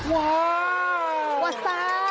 ว่าวัฒน์